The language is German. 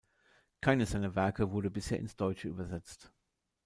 Keines seiner Werke wurde bisher ins Deutsche übersetzt.